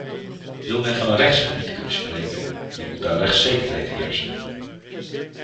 Wil men van een rechtsgebied kunnen spreken, dan moet daar rechtszekerheid heersen.